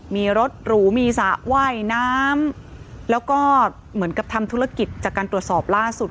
มีรถหรูมีสระว่ายน้ำแล้วก็เหมือนกับทำธุรกิจจากการตรวจสอบล่าสุด